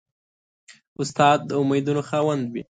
استاد د امیدونو خاوند وي.